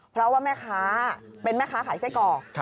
เพราะว่าแม่ค้าเป็นแม่ค้าขายไส้กรอก